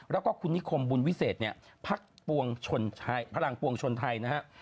แล้วก็คุณนิคมบุญวิเศษพักพลังปวงชนไทยนะครับ